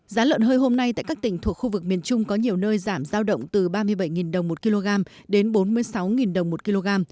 giá lợn hơi hôm nay tại các tỉnh thuộc khu vực miền trung có nhiều nơi giảm giao động từ ba mươi bảy đồng một kg đến bốn mươi sáu đồng một kg